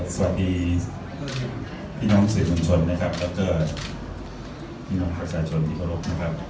สวัสดีพี่น้องสื่อบัญชนและพี่น้องประชาชนที่โบรก